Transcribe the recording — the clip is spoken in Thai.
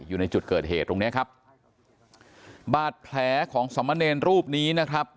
อยู่ในจุดเกิดเหตุตรงเนี้ยครับบาดแผลของสมเนรรูปนี้นะครับ